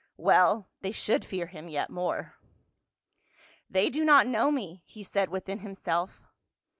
Well, they should fear him yet more. "They do not know me," he said within himself.